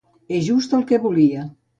És just el que volia.